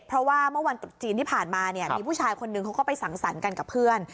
เพราะว่าเมื่อวันตรุษจีนที่ผ่านมาเนี่ยมีผู้ชายคนนึงเขาก็ไปสั่งสรรค์กันกับเพื่อน